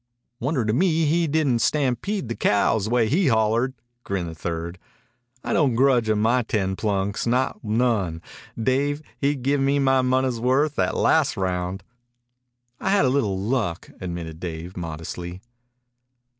"Wonder to me he didn't stampede the cows, way he hollered," grinned a third. "I don't grudge him my ten plunks. Not none. Dave he give me my money's worth that last round." "I had a little luck," admitted Dave modestly.